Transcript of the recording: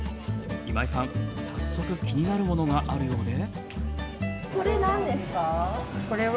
今井さん、早速、気になるものがあるようで。